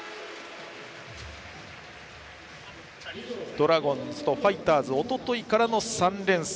ドラゴンズとファイターズはおとといからの３連戦。